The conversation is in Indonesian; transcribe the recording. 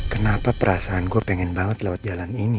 kenapa perasaan gue pengen banget lewat jalan ini